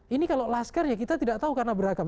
ini kalau laskar ya kita tidak tahu karena beragam